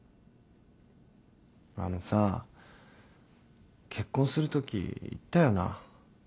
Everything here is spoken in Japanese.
あのさ結婚するとき言ったよな？